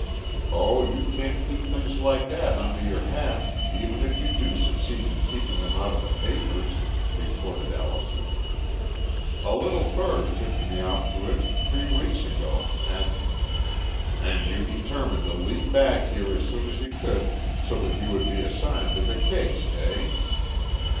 "Oh, you can't keep things like that under your hat even if you do succeed in keeping them out of the papers," retorted Allison. "A little bird tipped me off to it three weeks ago and " "And you determined to leap back here as soon as you could so that you would be assigned to the case, eh?"